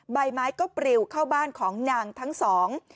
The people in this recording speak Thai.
ใบไม้ก็ปริวเข้าบ้านของนางทั้งสอง